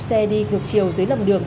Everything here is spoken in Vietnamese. xe đi ngược chiều dưới lầm đường